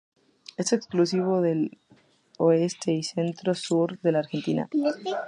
Es exclusivo del oeste y centro-sur de la Argentina.